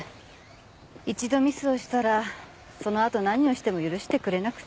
一度ミスをしたらその後何をしても許してくれなくて。